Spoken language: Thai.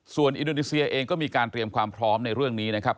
ส่วนอินโดนีเซียเองก็มีการเตรียมความพร้อมในเรื่องนี้นะครับ